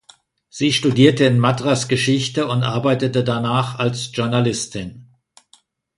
Sie studierte in Madras Geschichte und arbeitete danach als Journalistin.